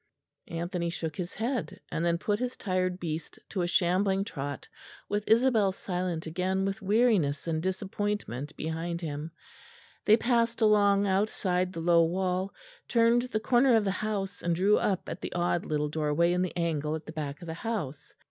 Anthony shook his head; and then put his tired beast to a shambling trot with Isabel silent again with weariness and disappointment behind him. They passed along outside the low wall, turned the corner of the house and drew up at the odd little doorway in the angle at the back of the house.